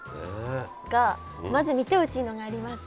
がまず見てほしいのがあります。